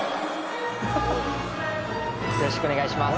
よろしくお願いします。